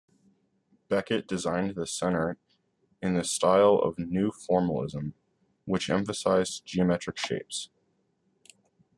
Becket designed the center in the style of New Formalism, which emphasized geometric shapes.